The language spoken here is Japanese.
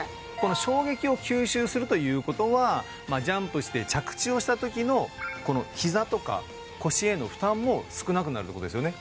衝撃を吸収するということはジャンプして着地をしたときの膝とか腰への負担も少なくなるってことですよね